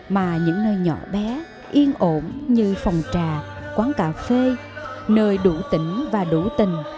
mà những nơi nhỏ bé yên ổn như phòng trà quán cà phê nơi đủ tỉnh và đủ tình